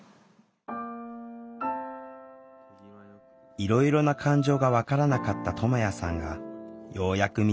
いろいろな感情が分からなかったともやさんがようやく見つけた感情。